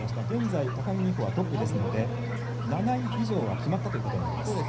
現在、高木美帆はトップですので７位以上は決まったということです。